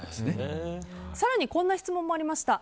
更にこんな質問もありました。